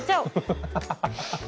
ハハハハハ。